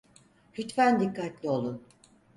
Lütfen dikkatli olun.